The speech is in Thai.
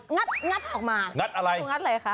งัดอะไรนะคะ